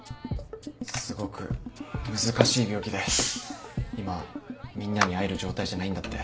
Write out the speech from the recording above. すごく難しい病気で今みんなに会える状態じゃないんだって。